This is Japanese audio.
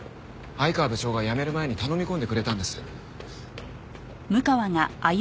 愛川部長が辞める前に頼み込んでくれたんです。